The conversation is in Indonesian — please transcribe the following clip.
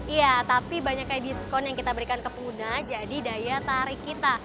iya tapi banyaknya diskon yang kita berikan ke pengguna jadi daya tarik kita